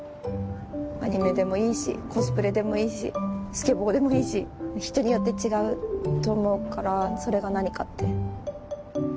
「アニメでもいいしコスプレでもいいしスケボーでもいいし人によって違うと思うからそれが何かって」。